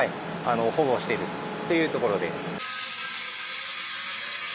保護してるというところです。